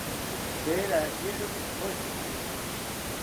Tee rawiero ikoshekia